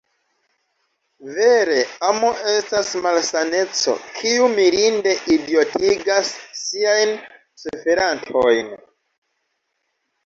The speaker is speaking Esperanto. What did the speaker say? Vere, amo estas malsaneco, kiu mirinde idiotigas siajn suferantojn!